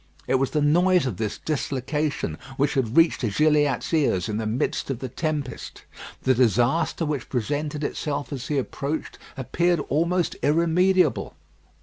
It was the noise of this dislocation which had reached Gilliatt's ears in the midst of the tempest. The disaster which presented itself as he approached appeared almost irremediable.